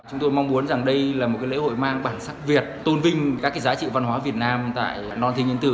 chúng tôi mong muốn rằng đây là một lễ hội mang bản sắc việt tôn vinh các giá trị văn hóa việt nam tại non thiên nhân tử